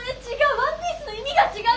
ワンピースの意味が違う！